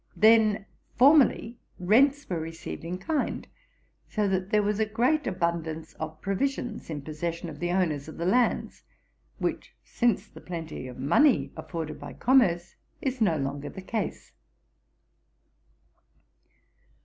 Then, formerly rents were received in kind, so that there was a great abundance of provisions in possession of the owners of the lands, which, since the plenty of money afforded by commerce, is no longer the case.'